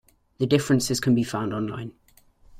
The differences can be found online.